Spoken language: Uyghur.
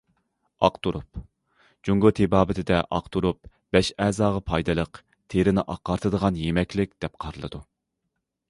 ئاق تۇرۇپ جۇڭگو تېبابىتىدە ئاق تۇرۇپ‹‹ بەش ئەزاغا پايدىلىق، تېرىنى ئاقارتىدىغان يېمەكلىك›› دەپ قارىلىدۇ.